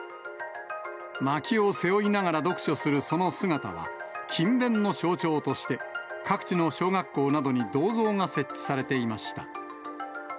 まきを背負いながら読書するその姿は、勤勉の象徴として、各地の小学校などに銅像が設置されていました。